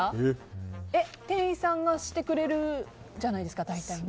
店員さんがしてくれるじゃないですか、大体。